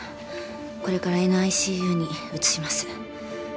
これからＮＩＣＵに移します。